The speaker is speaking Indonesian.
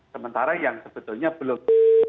sementara yang sebetulnya belum